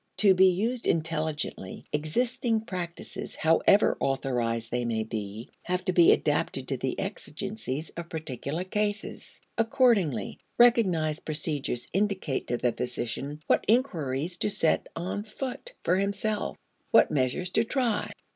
To be used intelligently, existing practices, however authorized they may be, have to be adapted to the exigencies of particular cases. Accordingly, recognized procedures indicate to the physician what inquiries to set on foot for himself, what measures to try.